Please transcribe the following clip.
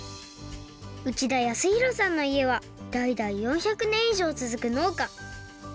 内田泰宏さんのいえはだいだい４００ねんいじょうつづくのうか。